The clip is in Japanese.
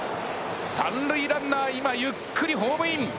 三塁ランナー、今ゆっくりホームイン。